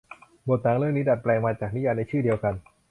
บทหนังเรื่องนี้ดัดแปลงมาจากนิยายในชื่อเดียวกัน